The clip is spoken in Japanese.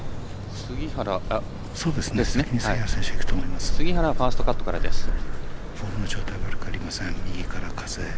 杉原、ファーストカットからです。